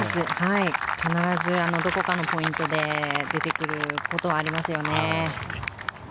必ずどこかのポイントで出てくることはありますよね。